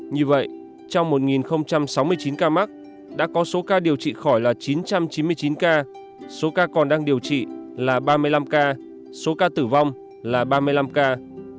như vậy trong một sáu mươi chín ca mắc đã có số ca điều trị khỏi là chín trăm chín mươi chín ca số ca còn đang điều trị là ba mươi năm ca số ca tử vong là ba mươi năm ca